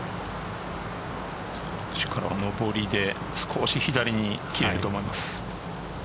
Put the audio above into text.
こっちから上りで少し左に切れると思います。